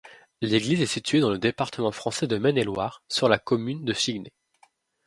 L'église est située dans le département français de Maine-et-Loire, sur la commune de Chigné.